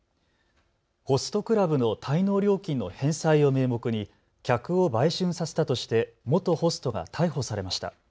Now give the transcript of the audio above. ホストクラブの滞納料金の返済を名目に客を売春させたとして元ホストが逮捕されました。